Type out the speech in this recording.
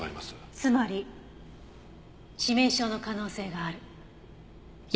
つまり致命傷の可能性がある。